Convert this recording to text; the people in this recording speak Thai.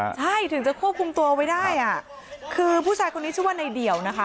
ใช่ถึงจะควบคุมตัวไว้ได้อ่ะคือผู้ชายคนนี้ชื่อว่าในเดี่ยวนะคะ